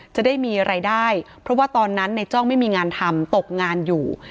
จะได้มีรายได้เพราะว่าตอนนั้นในจ้องไม่มีงานทำตกงานอยู่